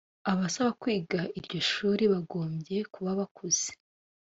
abasaba kwiga iryo shuri bagombye kuba bakuze